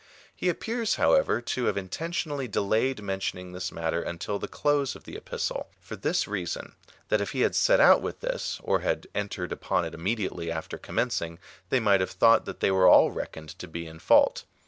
He appears, however, to have in tentionally delayed mentioning this matter until the close of the Epistle, for this reason — that if he had set out with this, or had entered upon it immediately after commencing, they might have thought that they were all reckoned to be in fault.